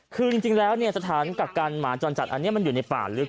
คือจริงแล้วสถานกักกันหมาจรจัดอันนี้มันอยู่ในป่าลึก